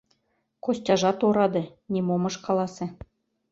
Костяжат ораде, нимом ыш каласе...